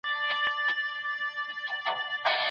که په صريح لفظ سره وي او که په کنايي الفاظو وي.